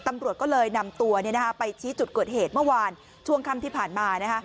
ตำรวจก็เลยนำตัวไปชี้จุดเกิดเหตุเมื่อวานช่วงค่ำที่ผ่านมา